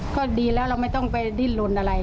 ก็ดีแล้วเราไม่ต้องไปดิ้นลนอะไร